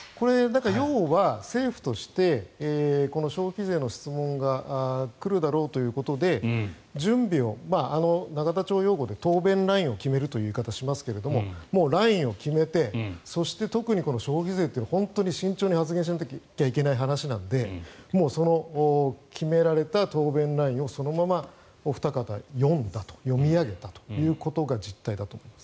要は政府として消費税の質問が来るだろうということで準備を、永田町用語で答弁ラインを決めるという言い方をしますけれどラインを決めてそして特にこの消費税は本当に慎重に発言しなきゃいけないので決められた答弁ラインをそのままお二方、読み上げたということが実態だと思います。